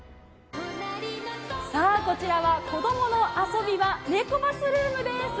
さあ、こちらは、子どもの遊び場、ネコバスルームです。